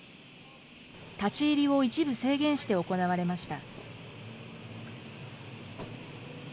立ち入りを一部制限して行われました。